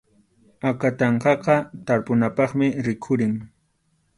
Akatanqaqa tarpunapaqmi rikhurimun.